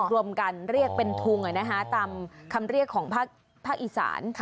รวมกันเรียกเป็นทุงตามคำเรียกของภาคอีสาน